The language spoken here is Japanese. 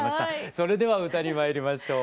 それでは歌にまいりましょう。